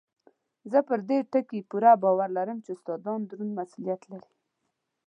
زه پر دې ټکي پوره باور لرم چې استادان دروند مسؤلیت لري.